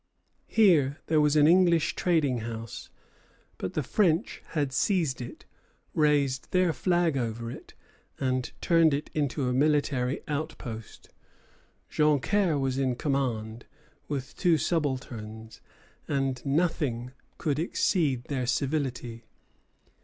Here there was an English trading house; but the French had seized it, raised their flag over it, and turned it into a military outpost. Joncaire was in command, with two subalterns; and nothing could exceed their civility.